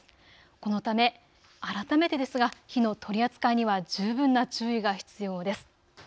このため、改めてですが火の取り扱いには十分な注意が必要です。